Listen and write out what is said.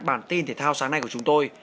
bản tin thể thao sáng nay của chúng tôi